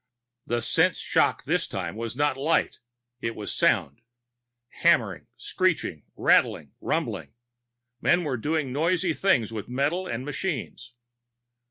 The sense shock this time was not light; it was sound. Hammering, screeching, rattling, rumbling. Men were doing noisy things with metal and machines.